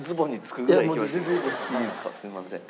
すみません。